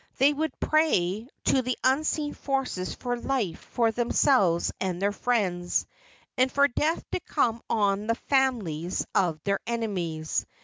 They would pray to the unseen forces for life for themselves and their friends, and for death to come on the families of their enemies.